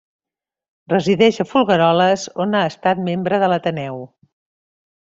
Resideix a Folgueroles, on ha estat membre de l'Ateneu.